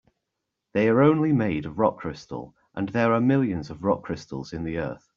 They're only made of rock crystal, and there are millions of rock crystals in the earth.